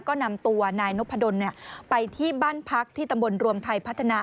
ก็นำตัวนายนพดลไปที่บ้านพักที่ตำบลรวมไทยพัฒนา